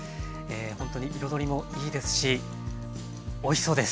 ほんとに彩りもいいですしおいしそうです。